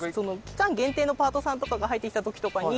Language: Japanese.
期間限定のパートさんとかが入ってきた時とかに。